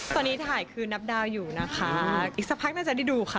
ตอนนี้ถ่ายคือนับดาวอยู่นะคะอีกสักพักน่าจะได้ดูค่ะ